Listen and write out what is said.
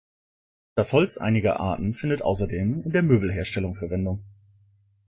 Das Holz einiger Arten findet außerdem in der Möbelherstellung Verwendung.